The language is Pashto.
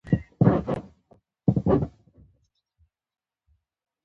ګلایکوجن په هر مالیکول کې ډېره انرژي چمتو کوي